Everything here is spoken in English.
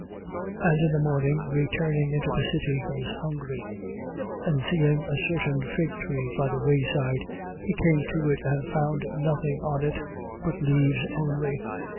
21:18. And in the morning, returning into the city, he was hungry. 21:19. And seeing a certain fig tree by the way side, he came to it and found nothing on it but leaves only.